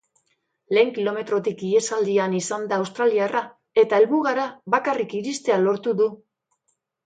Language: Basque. Lehen kilometrotik ihesaldian izan da australiarra eta helmugara bakarrik iristea lortu du.